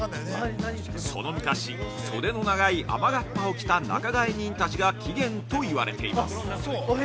その昔、袖の長い雨がっぱを着た仲買人たちが起源といわれています。